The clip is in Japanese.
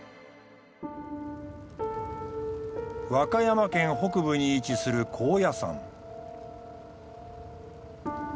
和歌山県北部に位置する高野山。